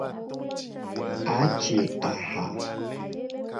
Aje aha.